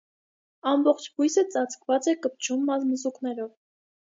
Ամբողջ բույսը ծածկված է կպչուն մազմզուկներով։